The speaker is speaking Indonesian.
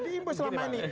sudah diimbu selama ini